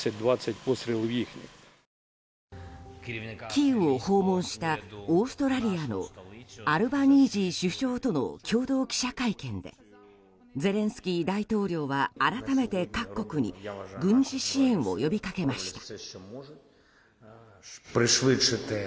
キーウを訪問したオーストラリアのアルバニージー首相との共同記者会見でゼレンスキー大統領は改めて各国に軍事支援を呼びかけました。